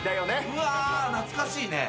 うわ懐かしいね。